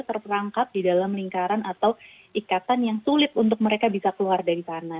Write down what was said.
terperangkap di dalam lingkaran atau ikatan yang sulit untuk mereka bisa keluar dari sana